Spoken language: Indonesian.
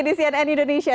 di cnn indonesia